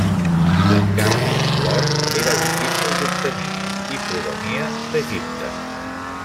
En canvi l'or era difícil d'obtenir i provenia d'Egipte.